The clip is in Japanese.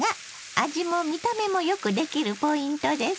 味も見た目もよくできるポイントです。